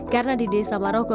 karena di desa maroko